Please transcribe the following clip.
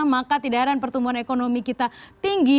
maka tidak heran pertumbuhan ekonomi kita tinggi